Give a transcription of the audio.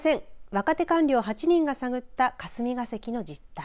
若手官僚８人が探った霞が関の実態